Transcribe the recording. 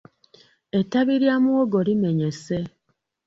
Ettabi lya muwogo limenyese.